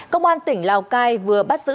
công an tỉnh lào cai vừa bắt giữ